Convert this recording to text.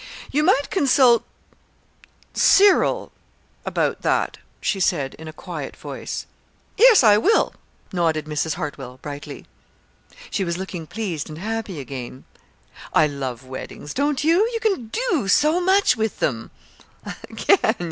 "You might consult Cyril about that," she said in a quiet voice. "Yes, I will," nodded Mrs. Hartwell, brightly. She was looking pleased and happy again. "I love weddings. Don't you? You can do so much with them!"